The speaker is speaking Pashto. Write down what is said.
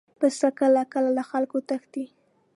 پسه کله کله له خلکو تښتي.